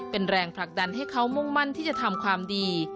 เป็นแรงผลักดันให้เขามุ่งมั่นที่จะทำความดี